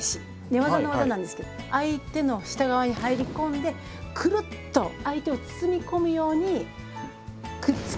寝技の技なんですけど相手の下側に入り込んでくるっと相手をはあなるほど。